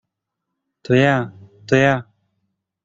"To ja, to ja!"